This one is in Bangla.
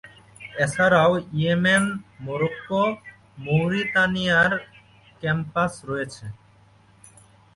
এছাড়াও ইয়েমেন, মরক্কো মৌরিতানিয়ায় এর ক্যাম্পাস রয়েছে।